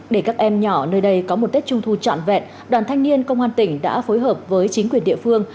để các em nhỏ nơi đây có một tết trung thu trọn vẹn đoàn thanh niên công an tỉnh đã phối hợp với chính quyền địa phương